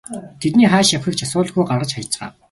Тэдний хааш явахыг ч асуулгүй гаргаж хаяцгаав.